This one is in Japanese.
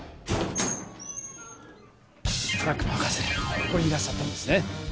ここにいらっしゃったんですね。